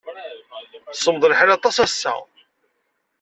Semmeḍ lḥal aṭas ass-a.